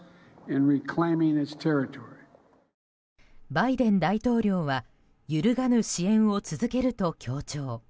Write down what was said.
バイデン大統領は揺るがぬ支援を続けると強調。